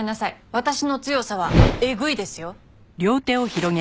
私の強さはエグいですよ。